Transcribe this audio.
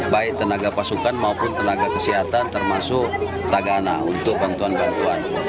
baik tenaga pasukan maupun tenaga kesehatan termasuk tagana untuk bantuan bantuan